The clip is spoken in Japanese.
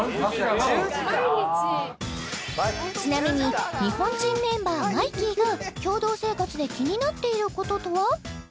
ちなみに日本人メンバーマイキーが共同生活で気になっていることとは？